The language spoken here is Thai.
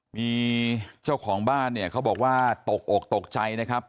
มีเจ้าของบ้านเนี่ยเขาบอกว่าตกอกตกใจนะครับ